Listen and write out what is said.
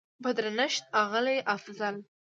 په درنښت اغلې افضل